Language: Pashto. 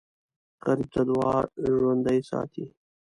غریب ته دعا ژوندي ساتي